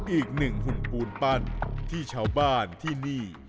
อีกหนึ่งหุ่นปูนปั้นที่ชาวบ้านที่นี่